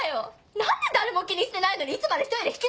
何で誰も気にしてないのにいつまで一人で引きずってんの？